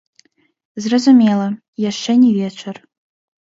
Зразумела, яшчэ не вечар.